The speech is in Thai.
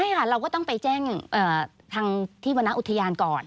ใช่ค่ะเราก็ต้องไปแจ้งทางที่วรรณอุทยานก่อน